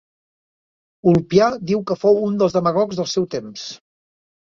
Ulpià diu que fou un dels demagogs del seu temps.